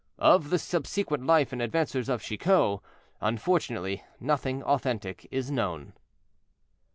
Of the subsequent life and adventures of Chicot, unfortunately nothing authentic is known.